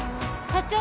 社長！